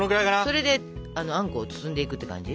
それであんこを包んでいくって感じ。